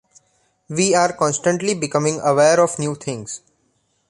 We are constantly becoming aware of new things.